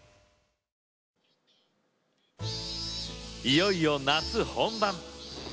いよいよ夏本番。